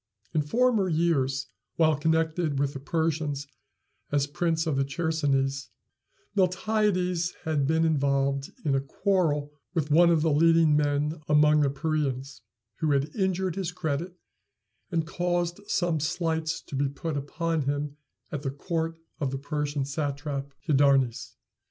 In former years, while connected with the Persians as prince of the Chersonese, Miltiades had been involved in a quarrel with one of the leading men among the Parians, who had injured his credit and caused some slights to be put upon him at the court of the Persian satrap Hydarnes.